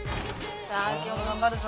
さあ今日も頑張るぞ。